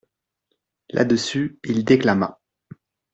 Là-dessus, il déclama.